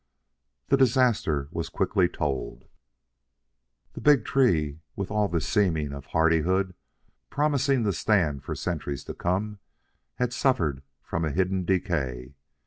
The disaster was quickly told. The big tree, with all the seeming of hardihood, promising to stand for centuries to come, had suffered from a hidden decay.